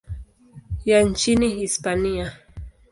ya nchini Hispania.